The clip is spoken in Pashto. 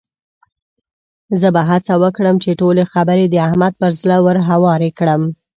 زه به هڅه وکړم چې ټولې خبرې د احمد پر زړه ورهوارې کړم.